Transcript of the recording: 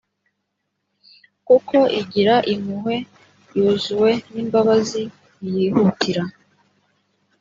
kuko igira impuhwe yuzuwe n imbabazi ntiyihutira